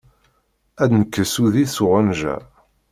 Ad d-nekkes udi s uɣenǧa.